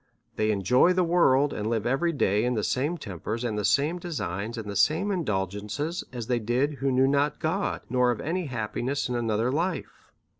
They enjoy the world, and live every day in the same tem pers, and the same designs, and the same indulgences, as they did who knew not God, nor of any happiness in another life.